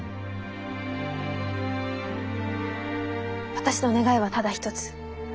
私の願いはただ一つ。